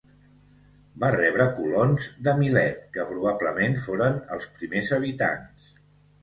Va rebre colons de Milet que probablement foren els primers habitants.